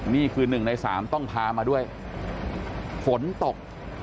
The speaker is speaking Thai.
นี่คือหนึ่งในสามต้องพามาด้วยฝนตก